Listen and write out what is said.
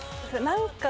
何か。